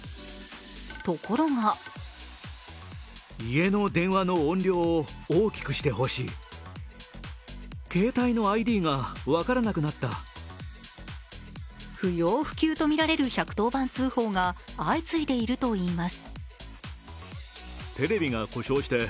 ところが不要不急とみられる１１０番通報が相次いでいるといいます。